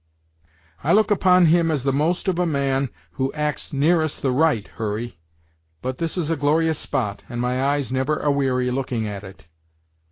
"I look upon him as the most of a man who acts nearest the right, Hurry. But this is a glorious spot, and my eyes never a weary looking at it!"